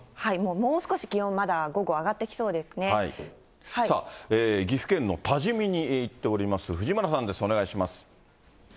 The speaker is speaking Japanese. もう少し気温、まだ午後、さあ、岐阜県の多治見に行っております藤村さんです、お願いします。